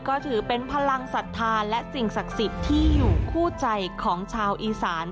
ก็ถือเป็นพลังศรัทธาและสิ่งศักดิ์สิทธิ์ที่อยู่คู่ใจของชาวอีสาน